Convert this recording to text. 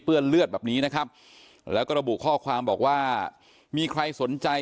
เลือดแบบนี้นะครับแล้วก็ระบุข้อความบอกว่ามีใครสนใจ